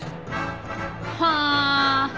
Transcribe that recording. はあ。